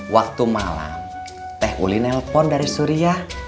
waktu malam teh uli nelpon dari suriah